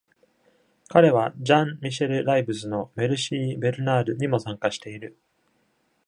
彼はジャン・ミシェル・ライブスの「メルシー・ベルナール」にも参加している。